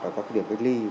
ở các cái điểm cất ly